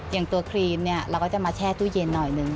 อย่างตัวครีมเนี่ยเราก็จะมาแช่ตู้เย็นหน่อยหนึ่ง